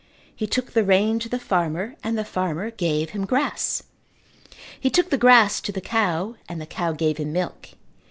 He took the rain to the farmer and the farmer gave him grass. He took the grass to the cow and the cow gave him milk.